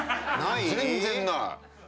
全然、ない。